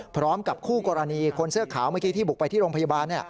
พร้อมกับคู่กรณีคนเสื้อขาวเมื่อกี้ที่บุกไปที่โรงพยาบาล